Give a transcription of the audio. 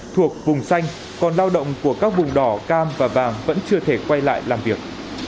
thuộc vùng xanh còn lao động của các vùng đỏ cam và vàng vẫn chưa thể quay lại làm việc